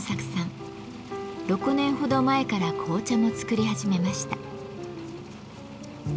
６年ほど前から紅茶も作り始めました。